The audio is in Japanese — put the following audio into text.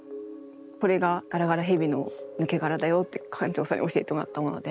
これがガラガラヘビの抜け殻だよって館長さんに教えてもらったもので。